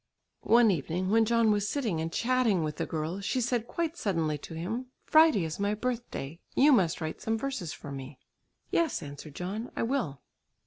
One evening when John was sitting and chatting with the girl, she said quite suddenly to him, "Friday is my birthday; you must write some verses for me." "Yes," answered John, "I will."